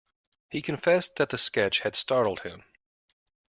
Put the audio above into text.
He confessed that the sketch had startled him.